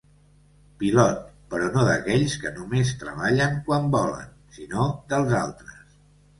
Pilot, però no d'aquells que només treballen quan volen, sinó dels altres.